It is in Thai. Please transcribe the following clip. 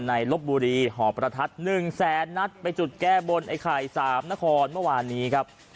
ลบบุรีหอประทัด๑แสนนัดไปจุดแก้บนไอ้ไข่สามนครเมื่อวานนี้ครับ